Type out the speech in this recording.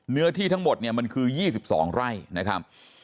เนื้อที่ทั้งหมดเนี่ยมันคือ๒๒ไร่นะครับ